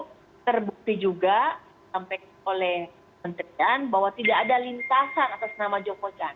lalu terbukti juga sampai oleh menteri an bahwa tidak ada lintasan atas nama joko chandra